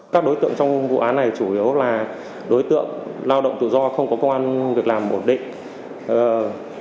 các đối tượng trong vụ án này chủ yếu là đối tượng lao động tự do không có công an việc làm ổn định